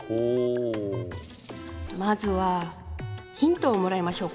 まずはヒントをもらいましょうか。